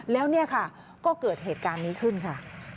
แล้วเนี่ยค่ะก็เกิดเหตุการณ์นี้ขึ้นค่ะ